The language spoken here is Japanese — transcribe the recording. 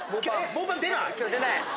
今日出ない。